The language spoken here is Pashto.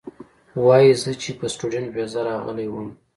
وې ئې زۀ چې پۀ سټوډنټ ويزا راغلی ووم